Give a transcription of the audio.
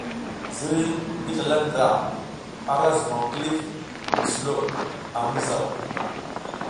Ziriy ngi slala ndra ara zumam kilif mi sulo a mi mizaw.